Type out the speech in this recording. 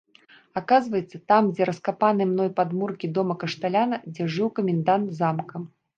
Аказваецца, там, дзе раскапаны мной падмуркі дома кашталяна, дзе жыў камендант замка.